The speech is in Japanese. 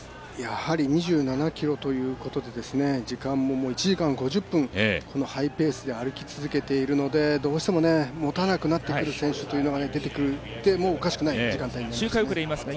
やはり２７ｋｍということで時間も１時間５０分このハイペースで歩き続けているのでどうしても持たなくなってくる選手が出てきてもおかしくない時間帯になってきていますね。